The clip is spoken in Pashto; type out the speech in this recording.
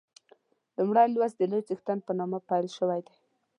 لومړی لوست د لوی څښتن په نامه پیل شوی دی.